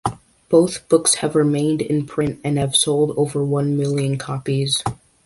Both books have remained in print and have sold over one million copies.